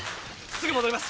すぐ戻ります。